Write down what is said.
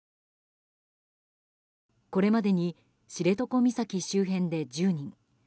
これまでに知床岬周辺で１０人。